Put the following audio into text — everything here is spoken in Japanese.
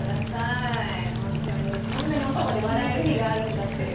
こんなにおそばで笑える日があるんだっていう。